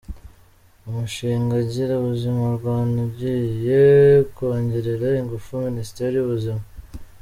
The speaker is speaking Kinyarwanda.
Umushinga Gira Ubuzima Rwanda ugiye kongerera ingufu Minisiteri y’Ubuzima